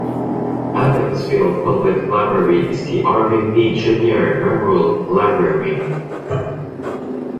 Adamsville's public library is the Irving Meek Junior Memorial Library.